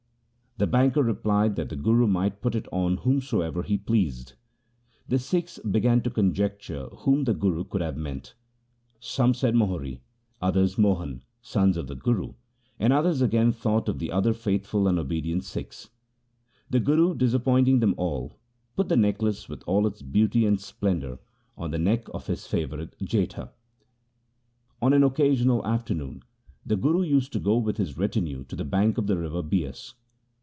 The banker replied that the Guru might put it on whomsoever he pleased. The Sikhs began to conjecture whom the Guru could have meant. Some said Mohri, others Mohan — sons of the Guru — and others again thought of other faithful and obedient Sikhs. The Guru, disappointing them all, put the necklace with all its beauty and splendour on the neck of his favourite Jetha. On an occasional afternoon the Guru used to go with his retinue to the bank of the river Bias.